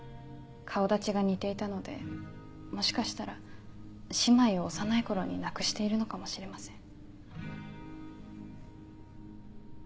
顔立ちが似ていたのでもしかしたら姉妹を幼い頃に亡くしているのかもしれません。